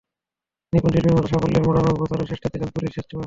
নিপুণ শিল্পীর মতো সাফল্যে মোড়ানো বছরের শেষটায় দিলেন তুলির শেষ ছোঁয়া।